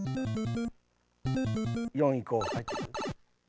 ４行こう。